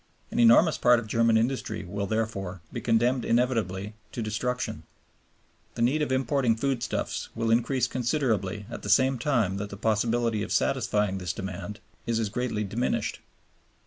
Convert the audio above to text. An enormous part of German industry will, therefore, be condemned inevitably to destruction. The need of importing foodstuffs will increase considerably at the same time that the possibility of satisfying this demand is as greatly diminished.